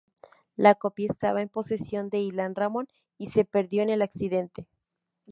La copia estaba en posesión de Ilan Ramon y se perdió en el accidente.